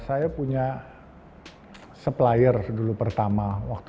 saya punya supplier dulu pertama waktu